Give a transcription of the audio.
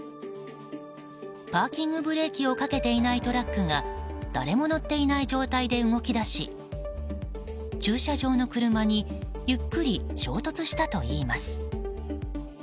パーキングブレーキをかけていないトラックが誰も乗っていない状態で動き出し駐車場の車にゆっくり衝突したといいます。